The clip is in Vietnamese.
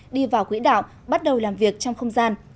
đi vào quỹ đạo bắt đầu làm việc trong không gian